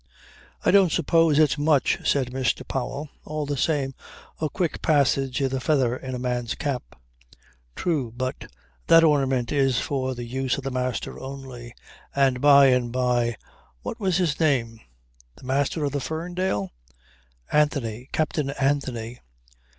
"I don't suppose it's much," said Mr. Powell. "All the same a quick passage is a feather in a man's cap." "True. But that ornament is for the use of the master only. And by the by what was his name?" "The master of the Ferndale? Anthony. Captain Anthony."